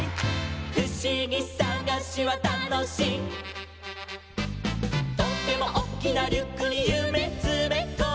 「ふしぎさがしはたのしい」「とってもおっきなリュックにゆめつめこんで」